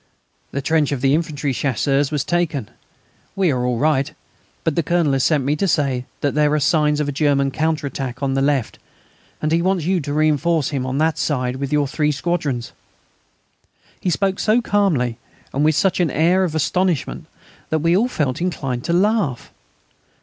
The trench of the infantry Chasseurs was taken. We are all right. But the Colonel has sent me to say that there are signs of a German counter attack on the left, and he wants you to reinforce him on that side with your three squadrons." He spoke so calmly and with such an air of astonishment that we all felt inclined to laugh.